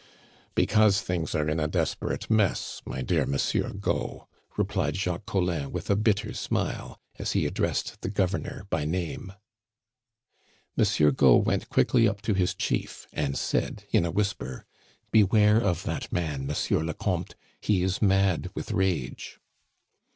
"Because things are in a desperate mess, my dear Monsieur Gault," replied Jacques Collin with a bitter smile, as he addressed the Governor by name. Monsieur Gault went quickly up to his chief, and said in a whisper, "Beware of that man, Monsieur le Comte; he is mad with rage."